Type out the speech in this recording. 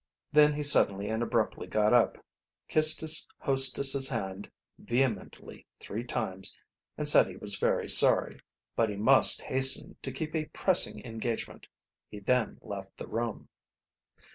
Then he suddenly and abruptly got up, kissed his hostess's hand vehemently three times, and said he was very sorry, but he must hasten to keep a pressing engagement. He then left the room.